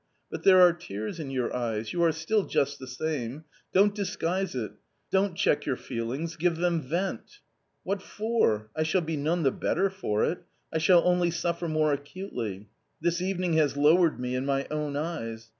" But there are tears in your eyes ; you are still just the same ; don't disguise it, don't check your feelings, give them vent." "What for? I shall be none the better for it. I shall only suffer more acutely. This evening has lowered me in my own eyes.